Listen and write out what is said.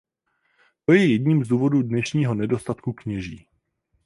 To je jedním z důvodů dnešního nedostatku kněží.